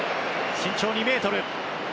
身長２ｍ。